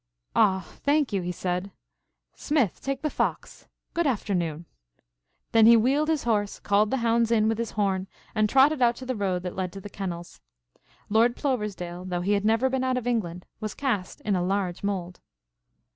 "Aw, thank you," he said. "Smith, take the fox. Good afternoon!" Then he wheeled his horse, called the hounds in with his horn and trotted out to the road that led to the kennels. Lord Ploversdale, though he had never been out of England, was cast in a large mold.